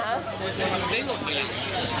ได้โหลดไหม